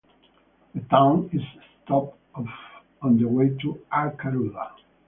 The town is a stop off on the way to Arkaroola.